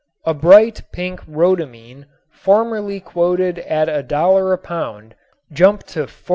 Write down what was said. A bright pink rhodamine formerly quoted at a dollar a pound jumped to $48.